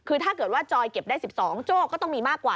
คือถ้าเกิดว่าจอยเก็บได้๑๒โจ้ก็ต้องมีมากกว่า